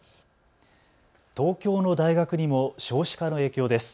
東京の大学にも少子化の影響です。